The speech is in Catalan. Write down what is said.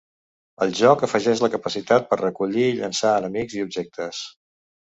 El joc afegeix la capacitat per recollir i llançar enemics i objectes.